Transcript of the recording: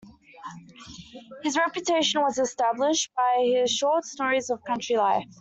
His reputation was established by his short stories of country life.